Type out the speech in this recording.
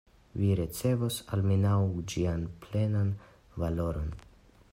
Vi ricevos almenaŭ ĝian plenan valoron.